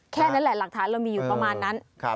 แค่นั้นแหละหลักฐานเรามีอยู่ประมาณนั้น